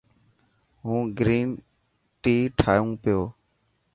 هون گرين ٽي ٺاهيون پيو.